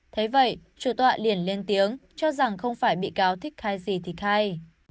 thế vậy chủ tọa liền lên tiếng cho rằng không phải bị cáo thích khai gì thì khai